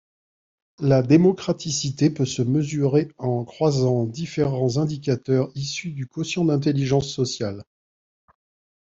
La démocraticité peut se mesurer en croisant différents indicateurs issus du quotient d'intelligence sociale.